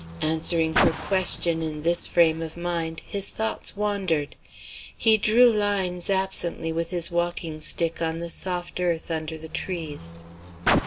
Answering her question, in this frame of mind, his thoughts wandered; he drew lines absently with his walking stick on the soft earth under the trees.